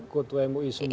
ketua mui sudah